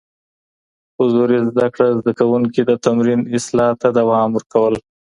حضوري زده کړه زده کوونکي د تمرين اصلاح ته دوام ورکول.